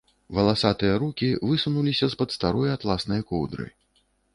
Валасатыя рукі высунуліся з-пад старой атласнай коўдры.